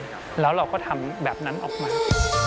แล้วเราก็ทำแบบนั้นออกมา